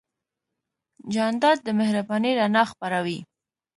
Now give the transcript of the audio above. جانداد د مهربانۍ رڼا خپروي.